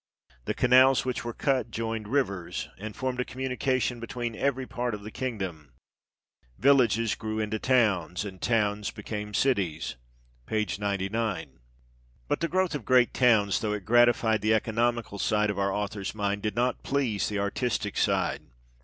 The canals which were cut joined rivers, and formed a communication between every part of the kingdom. Villages grew into towns, and towns became cities " (p. 99). But the growth of great towns, though it gratified the economical side of our author's mind, did not please the artistic side.